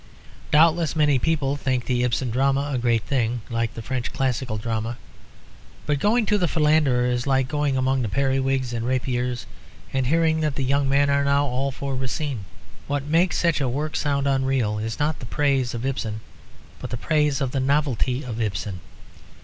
Doubtless many people still think the Ibsen drama a great thing, like the French classical drama. But going to "The Philanderer" is like going among periwigs and rapiers and hearing that the young men are now all for Racine. What makes such work sound unreal is not the praise of Ibsen, but the praise of the novelty of Ibsen.